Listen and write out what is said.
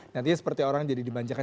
nantinya seperti orang jadi dimanjakan